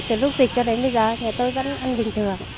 từ lúc dịch cho đến bây giờ thì tôi vẫn ăn bình thường